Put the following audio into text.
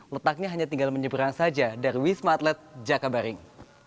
letaknya hanya tinggal menyeberang saja dari wisma atlet jakabaring